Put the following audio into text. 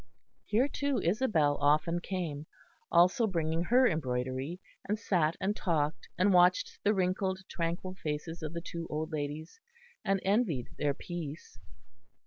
Here too Isabel often came, also bringing her embroidery; and sat and talked and watched the wrinkled tranquil faces of the two old ladies, and envied their peace.